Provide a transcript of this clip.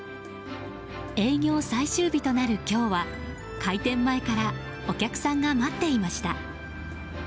営業最終日となる今日は開店前からお客さんが待っていました。